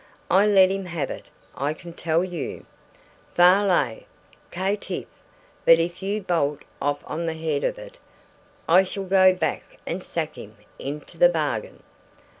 I let him have it, I can tell you. Varlet! Caitiff! But if you bolt off on the head of it, I shall go back and sack him into the bargain!"